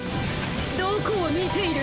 どこを見ている？